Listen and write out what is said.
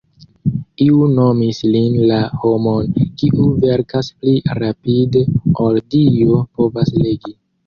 Iu nomis lin "la homon kiu verkas pli rapide ol Dio povas legi".